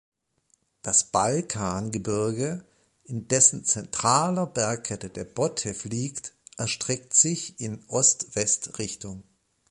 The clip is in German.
Das Balkangebirge, in dessen zentraler Bergkette der Botew liegt, erstreckt sich in Ost-West-Richtung.